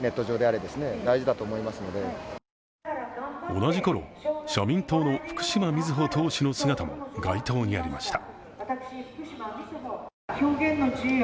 同じころ、社民党の福島みずほ党首の姿も街頭にありました。